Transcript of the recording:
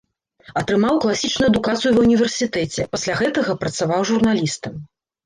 Атрымаў класічную адукацыю ва ўніверсітэце, пасля гэтага працаваў журналістам.